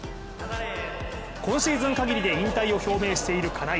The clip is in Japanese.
今シーズン限りで引退表明している金井。